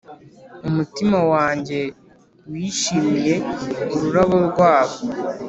Umutima wanjye wishimiye ururabo rwabwo,